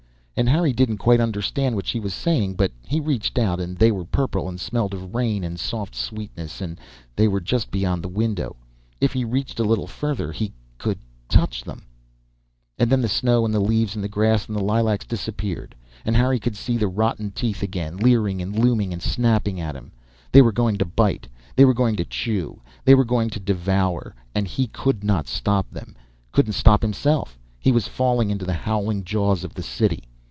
_ And Harry didn't quite understand what she was saying, but he reached out and they were purple and smelled of rain and soft sweetness and they were just beyond the window, if he reached a little further he could touch them And then the snow and the leaves and the grass and the lilacs disappeared, and Harry could see the rotten teeth again, leering and looming and snapping at him. They were going to bite, they were going to chew, they were going to devour, and he couldn't stop them, couldn't stop himself. He was falling into the howling jaws of the city.